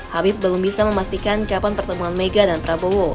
habib belum bisa memastikan kapan pertemuan mega dan prabowo